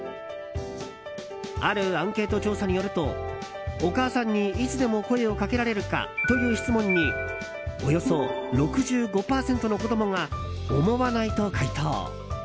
あるアンケート調査によるとお母さんにいつでも声をかけられるか？という質問におよそ６５％の子供が思わないと回答。